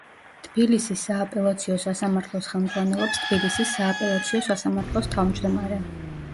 თბილისის სააპელაციო სასამართლოს ხელმძღვანელობს თბილისის სააპელაციო სასამართლოს თავმჯდომარე.